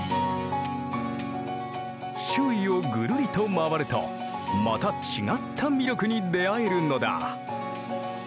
周囲をぐるりと回るとまた違った魅力に出会えるのだ。